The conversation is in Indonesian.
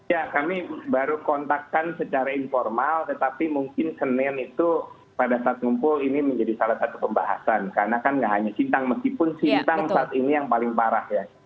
ya kami baru kontakkan secara informal tetapi mungkin senin itu pada saat ngumpul ini menjadi salah satu pembahasan karena kan nggak hanya sintang meskipun sintang saat ini yang paling parah ya